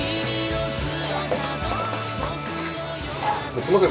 すいません